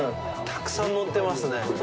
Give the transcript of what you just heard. たくさん載ってますね。